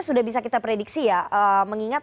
sudah bisa kita prediksi ya mengingat